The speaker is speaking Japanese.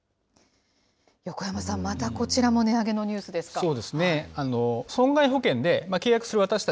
横山さん、またこちらも値上げのニュースですか。